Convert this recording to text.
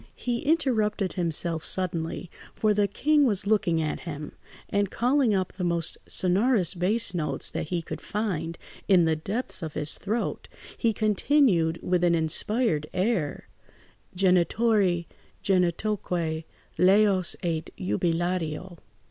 He interrupted himself suddenly, for the king was looking at him; and calling up the most sonorous bass notes that he could find in the depths of his throat, he continued with an inspired air, "Genitori genitoque laus et jubilatio."